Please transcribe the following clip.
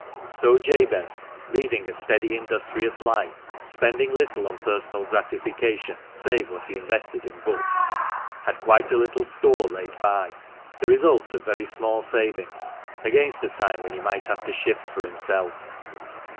So Jabez, leading a steady, industrious life, spending little on personal gratification, save what he invested in books, had quite a little store laid by — the result of very small savings — against the time when he might have to shift for himself.